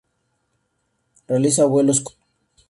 Realiza vuelos cortos.